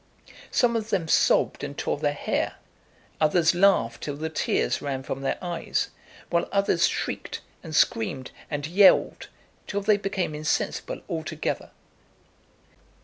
Some of them sobbed and tore their hair, others laughed till the tears ran from their eyes, while others shrieked and screamed and yelled till they became insensible altogether.